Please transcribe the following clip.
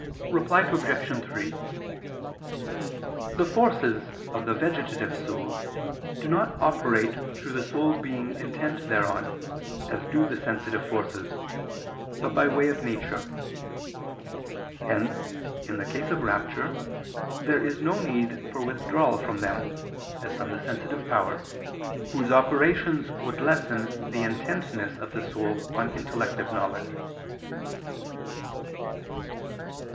Reply Obj. 3: The forces of the vegetative soul do not operate through the soul being intent thereon, as do the sensitive forces, but by way of nature. Hence in the case of rapture there is no need for withdrawal from them, as from the sensitive powers, whose operations would lessen the intentness of the soul on intellective knowledge.